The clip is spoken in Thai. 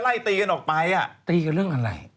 ไล่ตีกันออกไปตีกันเรื่องอะไร